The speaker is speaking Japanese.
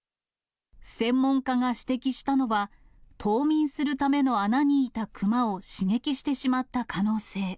専門家が指摘したのは、冬眠するための穴にいた熊を刺激してしまった可能性。